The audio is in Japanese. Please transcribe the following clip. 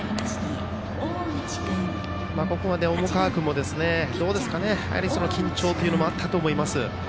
ここまで重川君も、緊張というのもあったと思います。